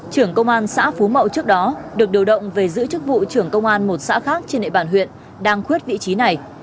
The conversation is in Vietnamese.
trưởng công an xã phú mậu trước đó được điều động về giữ chức vụ trưởng công an một xã khác trên địa bàn huyện đang quyết vị trí này